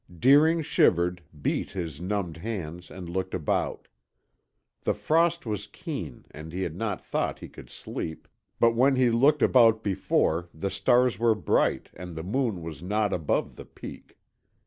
Deering shivered, beat his numbed hands, and looked about. The frost was keen and he had not thought he could sleep, but when he looked about before the stars were bright and the moon was not above the peak.